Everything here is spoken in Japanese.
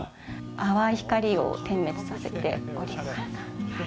淡い光を点滅させております。